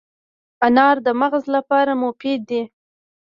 انار د مغز لپاره مفید دی.